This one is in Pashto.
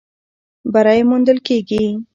بری موندل کېږي.